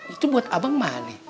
itu buat abang mana